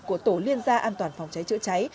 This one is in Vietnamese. của tổ liên gia an toàn phòng cháy chữa cháy